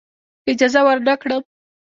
اجازه ورنه کړم.